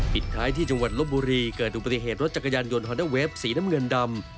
ปิดท้ายที่จังหวัดลบบุรีเกิดอุบัติเหตุรถจักรยานยนต์ฮอนด้าเวฟสีน้ำเงินดำ